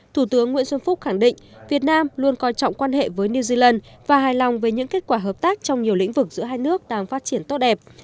thủ tướng nguyễn xuân phúc khẳng định việt nam luôn coi trọng quan hệ với new zealand và hài lòng về những kết quả hợp tác trong nhiều lĩnh vực giữa hai nước đang phát triển tốt đẹp